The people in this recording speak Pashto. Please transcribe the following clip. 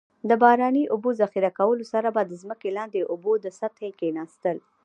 د باراني اوبو ذخیره کولو سره به د ځمکې لاندې اوبو د سطحې کیناستل.